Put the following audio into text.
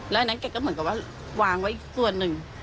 แล้วอันนั้นแกก็เหมือนกับว่าวางไว้อีกส่วนหนึ่ง